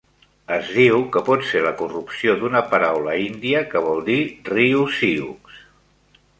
Es diu que pot ser la corrupció d'una paraula índia que vol dir riu Sioux.